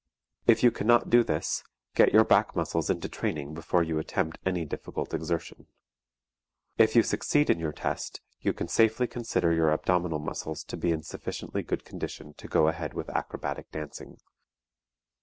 If you cannot do this, get your back muscles into training before you attempt any difficult exertion. If you succeed in your test, you can safely consider your abdominal muscles to be in sufficiently good condition to go ahead with acrobatic dancing.